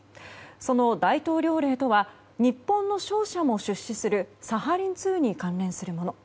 その大統領令とは日本の商社も出資するサハリン２に関連するもの。